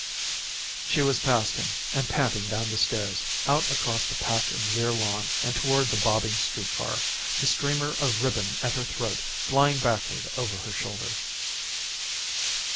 She was past him and panting down the stairs, out across the patch of rear lawn, and toward the bobbing street car, the streamer of ribbon at her throat flying backward over her shoulder.